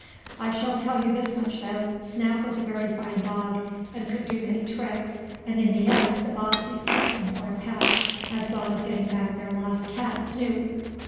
I shall tell you this much, though. Snap was a very fine dog, and could do many tricks, and in the end the Bobbseys kept him for a pet, as well as getting back their lost cat Snoop.